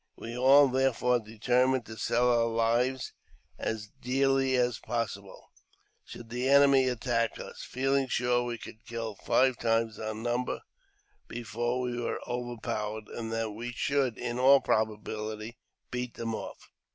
We all, therefore, •determined to sell our lives as dearly as possible should the enemy attack us, feehng sure we could kill five times our number before we were overpowered, and that we should, in all probability, beat them off.